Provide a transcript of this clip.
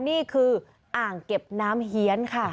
นี่คืออ่างเก็บน้ำเฮียนค่ะ